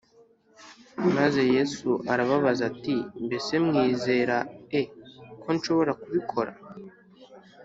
maze Yesu arababaza ati mbese mwizera e ko nshobora kubikora